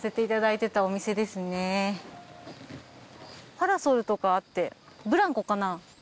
パラソルとかあってブランコかな？